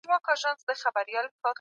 خداى دي كړي خير ياره څه سوي نه وي